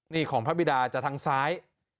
นี่ของพระบิดาจากทางซ้าย